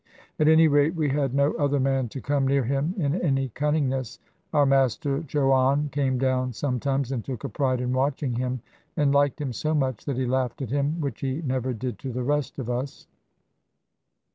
At any rate we had no other man to come near him in any cunningness. Our master Chouane came down sometimes, and took a pride in watching him, and liked him so much that he laughed at him, which he never did to the rest of us.